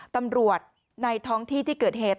ตำรวจในท้องที่ที่เกิดเหตุ